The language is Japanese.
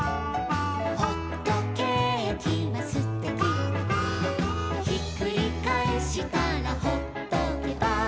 「ほっとけーきはすてき」「ひっくりかえしたらほっとけば」